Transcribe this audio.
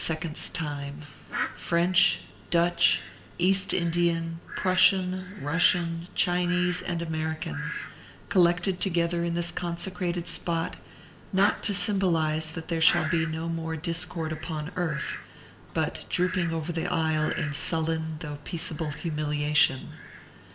's time, French, Dutch, East Indian, Prussian, Russian, Chinese, and American, collected together in this consecrated spot, not to symbolize that there shall be no more discord upon earth, but drooping over the aisle in sullen, though peaceable humiliation.